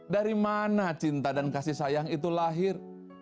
dari mana cinta dan kasih sayang itu lahir